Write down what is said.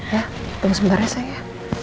ya tunggu sebarnya sayang ya